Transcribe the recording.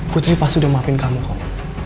putri pasti udah maafin kamu kok